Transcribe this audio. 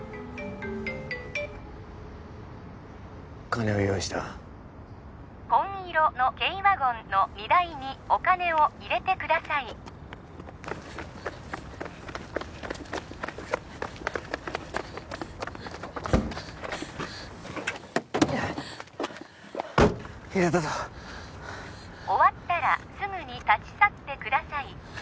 金は用意した紺色の軽ワゴンの荷台にお金を入れてください入れたぞ終わったらすぐに立ち去ってください